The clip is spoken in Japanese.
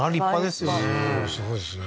すごいですね